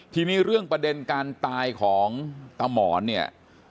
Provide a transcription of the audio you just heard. ทีนี้เรื่องประเด็นการตายของตามหมอนเนี่ย